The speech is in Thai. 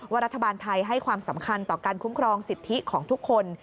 รัฐบาลไทยให้ความสำคัญต่อการคุ้มครองสิทธิของทุกคน